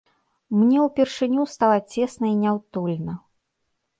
Мне ўпершыню стала цесна і няўтульна.